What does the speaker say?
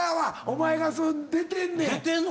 お前が出てんねん。